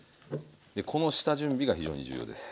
この下準備が非常に重要です。